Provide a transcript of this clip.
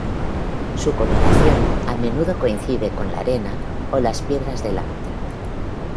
Su coloración a menudo coincide con la arena o las piedras del hábitat.